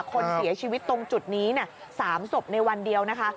คนเสียชีวิตตรงจุดนี้๓ศพในวันเดียวนะคะ